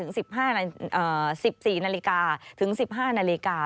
๑๔นาฬิกาถึง๑๕นาฬิกา